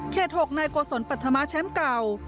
เขตหกในโกศลปัฒนาแชมป์เก่า